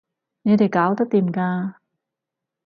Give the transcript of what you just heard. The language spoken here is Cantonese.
你哋搞得掂㗎